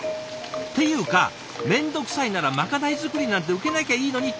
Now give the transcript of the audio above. っていうか面倒くさいならまかない作りなんて受けなきゃいいのにと思うでしょ？